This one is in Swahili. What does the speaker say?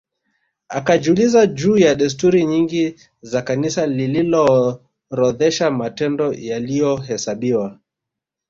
Akajiuliza juu ya desturi nyingi za Kanisa lililoorodhesha matendo yaliyohesabiwa